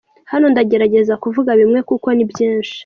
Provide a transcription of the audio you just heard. Hano ndagerageza kuvuga bimwe kuko ni byinshi.